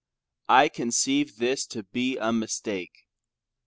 I conceive this to be a mistake.